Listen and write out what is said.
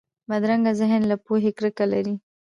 بدرنګه ذهن له پوهې کرکه لري